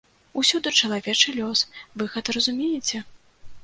Усюды чалавечы лёс, вы гэта разумееце?